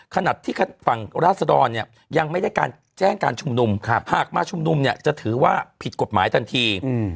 ขนาดที่ฝั่งราศดรเนี่ยยังไม่ได้การแจ้งการชุมนุมหากมาชุมนุมเนี่ยจะถือว่าผิดกฎหมายทันที